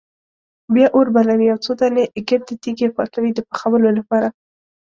بیا اور بلوي او څو دانې ګردې تیږې پاکوي د پخولو لپاره.